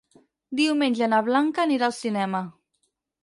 Diumenge na Blanca anirà al cinema.